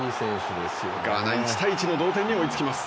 ガーナ１対１の同点に追いつきます。